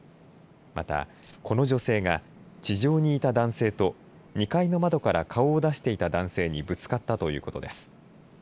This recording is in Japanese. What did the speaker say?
また、この女性が地上にいた男性と２階の窓から顔を出していた男性にぶつかったということです。